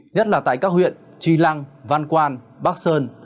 nhất là tại các huyện tri lăng văn quan bắc sơn